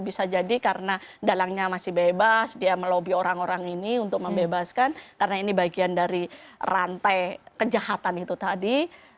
bisa jadi karena dalangnya masih bebas dia melobi orang orang ini untuk membebaskan karena ini bagian dari rantai kejahatan itu tadi